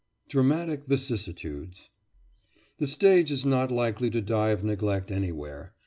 DRAMATIC VICISSITUDES The stage is not likely to die of neglect anywhere.